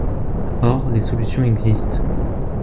Or les solutions existent.